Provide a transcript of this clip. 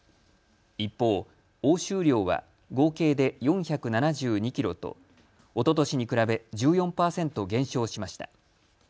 一方、押収量は合計で４７２キロとおととしに比べ１４％減少しました。